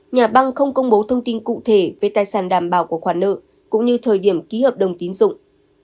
nhà băng không công bố thông tin cụ thể về tài sản đảm bảo của khoản nợ cũng như thời điểm ký hợp đồng tín dụng